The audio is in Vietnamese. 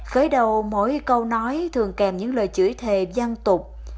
khởi đầu mỗi câu nói thường kèm những lời chửi thề giang tục